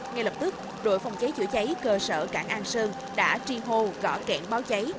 ngay lập tức đội phòng cháy chữa cháy cơ sở cảng an sơn đã tri hô gõ kẹn báo cháy